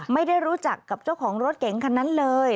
ไม่ได้รู้จักกับเจ้าของรถเก๋งคันนั้นเลย